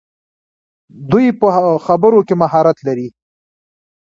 دوی په خبرو کې مهارت لري.